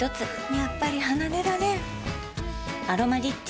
やっぱり離れられん「アロマリッチ」